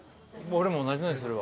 俺も同じのにするわ。